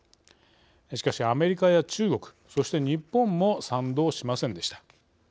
しかしアメリカや中国そして日本も賛同しませんでした。